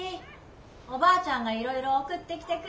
おばあちゃんがいろいろ送ってきてくれたよ。